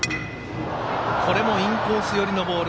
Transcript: これもインコース寄りのボール